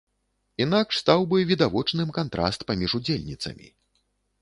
Інакш стаў бы відавочным кантраст паміж удзельніцамі.